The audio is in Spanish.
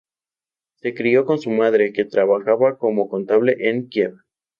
Se crio con su madre, que trabajaba como contable en Kiev.